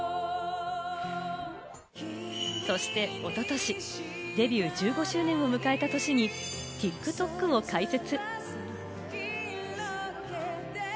そしておととし、デビュー１５周年を迎えた年に、ＴｉｋＴｏｋを開設。